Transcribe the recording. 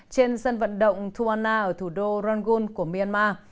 trên sân vận động tuwana ở thủ đô rangoon của myanmar